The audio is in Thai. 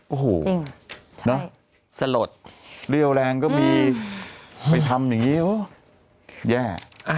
โอ้โหสลดเรี่ยวแรงก็มีไปทำอย่างนี้แย่